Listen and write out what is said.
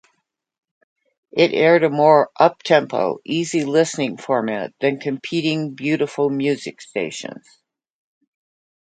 It aired a more uptempo easy listening format than competing beautiful music stations.